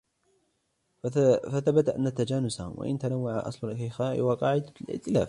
فَثَبَتَ أَنَّ التَّجَانُسَ ، وَإِنْ تَنَوَّعَ ، أَصْلُ الْإِخَاءِ وَقَاعِدَةُ الِائْتِلَافِ